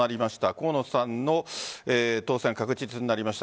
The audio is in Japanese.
河野さんの当選が確実になりました。